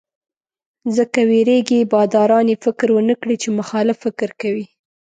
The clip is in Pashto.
ځکه وېرېږي باداران یې فکر ونکړي چې مخالف فکر کوي.